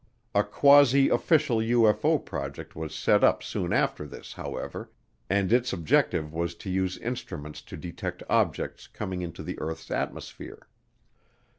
A quasi official UFO project was set up soon after this, however, and its objective was to use instruments to detect objects coming into the earth's atmosphere.